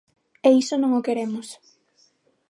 E iso non o queremos.